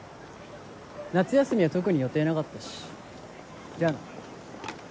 夏休みは特に予定なかったしじゃあな。